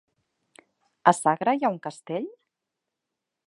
A Sagra hi ha un castell?